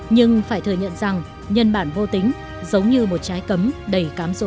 nhưng phải thừa nhận rằng nhân bản vô tính giống như một trái cấm đầy cám rỗ